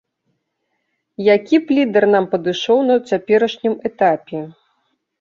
Які б лідар нам падышоў на цяперашнім этапе?